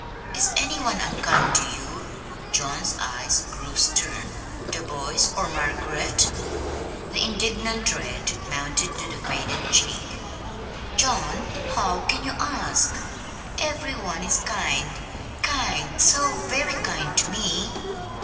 "Is any one unkind to you?" John's eyes grew stern. "The boys, or Margaret?" The indignant red mounted to the faded cheek. "John! How can you ask? Every one is kind, kind, so very kind to me!"